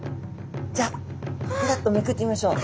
じゃあペラッとめくってみましょう。